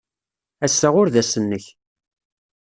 Ass-a ur d ass-nnek.